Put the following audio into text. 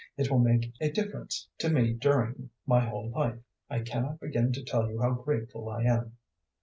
It will make a difference to me during my whole life. I cannot begin to tell you how grateful I am."